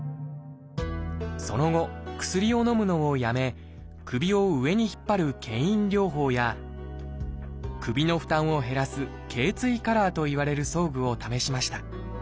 その後薬をのむのをやめ首を上に引っ張る「けん引療法」や首の負担を減らす「頚椎カラー」といわれる装具を試しました。